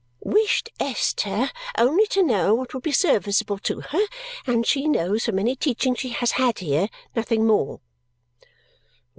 " Wished Esther only to know what would be serviceable to her. And she knows, from any teaching she has had here, nothing more."